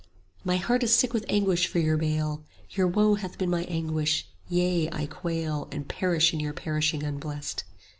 30 My heart is sick with anguish for your bale; Your woe hath been my anguish; yea, I quail And perish in your perishing unblest.